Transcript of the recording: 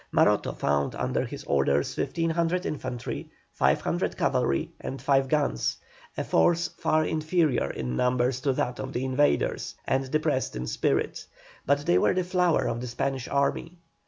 Maroto found under his orders 1,500 infantry, 500 cavalry, and five guns, a force far inferior in numbers to that of the invaders, and depressed in spirit, but they were the flower of the Spanish army.